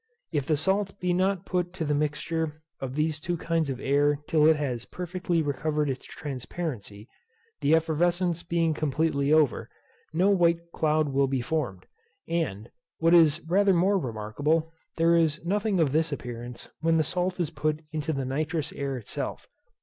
If the salt be not put to the mixture of these two kinds of air till it has perfectly recovered its transparency, the effervescence being completely over, no white cloud will be formed; and, what is rather more remarkable, there is nothing of this appearance when the salt is put into the nitrous air itself.